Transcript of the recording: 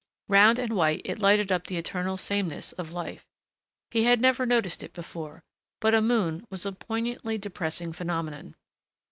Round and white, it lighted up the eternal sameness of life.... He had never noticed it before, but a moon was a poignantly depressing phenomenon.